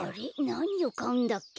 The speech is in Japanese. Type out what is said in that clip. なにをかうんだっけ？